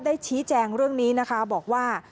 ชี้แจงเรื่องนี้นะคะบอกว่า